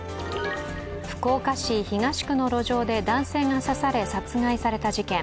福岡市東区の路上で男性が刺され殺害された事件。